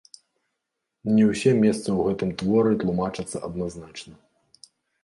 Не ўсе месцы ў гэтым творы тлумачацца адназначна.